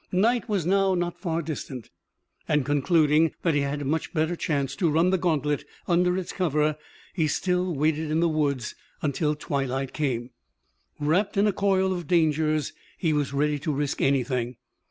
Night was now not far distant, and, concluding that he had a much better chance to run the gantlet under its cover, he still waited in the wood until the twilight came. Wrapped in a coil of dangers he was ready to risk anything.